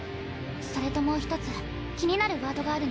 それともう一つ気になるワードがあるの。